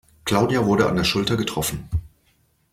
Claudia wurde an der Schulter getroffen.